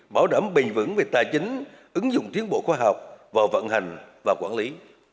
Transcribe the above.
bảo đảm bình vững về tài chính ứng dụng tiến bộ khoa học vào vận hành và quản lý